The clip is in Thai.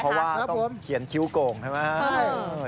เพราะว่าต้องเขียนคิ้วโก่งใช่ไหม